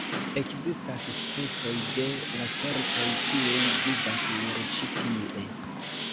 Ekzistas specoj de lacertoj, kiuj vivas nur ĉi tie.